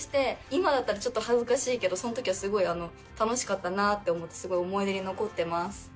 今だったらちょっと恥ずかしいけどその時はすごい楽しかったなって思ってすごい思い出に残ってます。